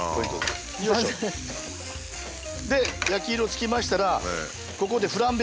で焼き色つきましたらここでフランベ！